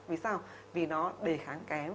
vì sao vì nó đề kháng kém